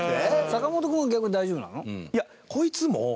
阪本君は逆に大丈夫なの？